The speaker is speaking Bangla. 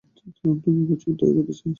আপনাকে কিছু একটা দেখাতে চাই।